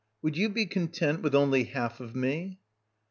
] Would you be con tent with only half of me?